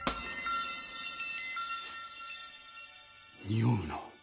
におうな。